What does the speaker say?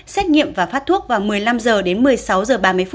xét nghiệm và phát thuốc vào một mươi năm h